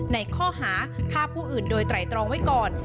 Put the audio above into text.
ในข้อหาฆ่าผู้อื่นโดยไตรตรองไว้ก่อน